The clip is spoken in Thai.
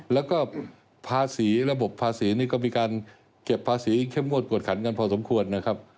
แล้วก็ภาษีระบบภาษีนี่ก็มีการเก็บภาษีเข้มงวดกวดขันกันพอสมควรนะครับ